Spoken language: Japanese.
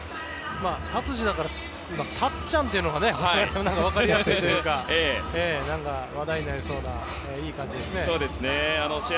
達治だからたっちゃんというのが分かりやすいというか話題になりそうな試合